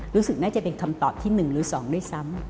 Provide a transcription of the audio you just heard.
รู้สึกน่าจะเป็นคำตอบที่๑หรือ๒ด้วยซ้ำ